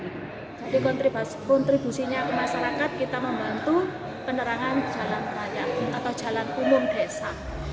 jadi kontribusinya ke masyarakat kita membantu penerangan jalan raya atau jalan umum desa